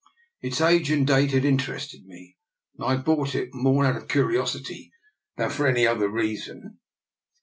Its age and date had interested me, and I had bought it more out of curiosity than for any other reason.